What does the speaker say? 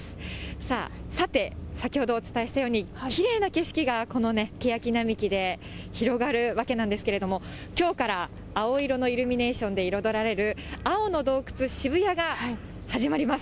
さあ、さて先ほどお伝えしたように、きれいな景色がこのケヤキ並木で広がるわけなんですけれども、きょうから青色のイルミネーションで彩られる、青の洞窟シブヤが始まります。